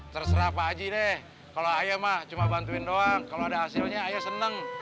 terserah apa aja deh kalau ayah mah cuma bantuin doang kalau ada hasilnya ayah senang